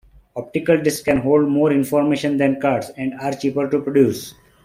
Optical Discs can hold more information than cards, and are cheaper to produce.